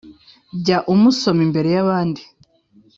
jya umusoma imbere y’abandi